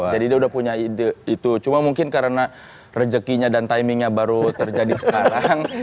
jadi dia udah punya ide itu cuma mungkin karena rezekinya dan timingnya baru terjadi sekarang